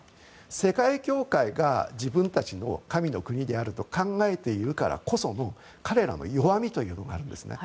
世界教会が自分たちの神の国であると考えているからこその彼らの弱みというのがあるんですね。